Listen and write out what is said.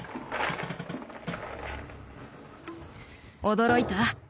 驚いた？